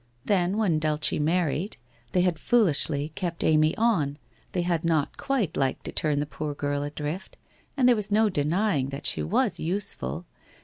Then when Dulce married, they bad foolishly kept Amy on, they had not quite liked to turn the poor girl adrift, and there was no denying that she was useful.